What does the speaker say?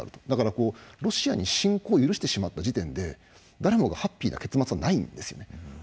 だからロシアに侵攻を許してしまった時点で誰もがハッピーな結末はないんですよね。